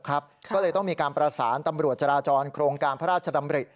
ก็เลยต้องมีการประสานตำรวจจราจรโครงการพระราชดำริ